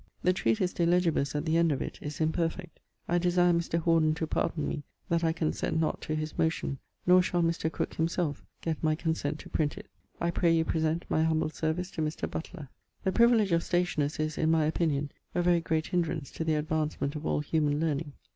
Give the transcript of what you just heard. The treatise De Legibus, at the end of it, is imperfect. I desire Mr. Horne to pardon me that I consent not to his motion, nor shall Mr. Crooke himselfe get my consent to print it. I pray you present my humble service to Mr. Butler. The priviledge of stationers is (in my opinion) a very great hinderance to the advancement of all humane learning.